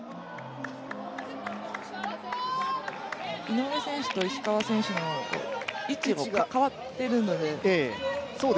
井上選手と石川選手の位置が変わってるので。